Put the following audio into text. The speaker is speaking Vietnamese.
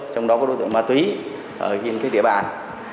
trong đó có đối tượng ma túy ở trên địa bàn